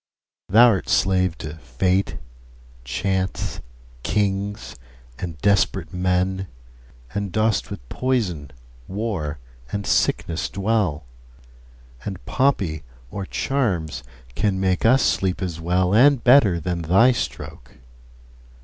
Thou'rt slave to fate, chance, kings, and desperate men, And dost with poison, war, and sickness dwell; 10 And poppy or charms can make us sleep as well And better than thy stroke.